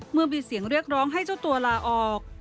เมื่อมีเสียงเรียกร้องให้เจ้าตัวลาออก